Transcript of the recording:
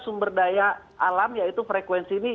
sumber daya alam yaitu frekuensi ini